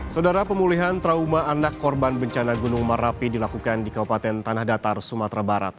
saudara pemulihan trauma anak korban bencana gunung merapi dilakukan di kabupaten tanah datar sumatera barat